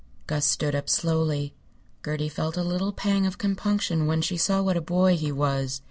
Gus stood up slowly. Gertie felt a little pang of compunction when she saw what a boy he was.